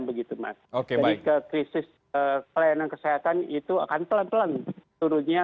jadi krisis pelayanan kesehatan itu akan pelan pelan turunnya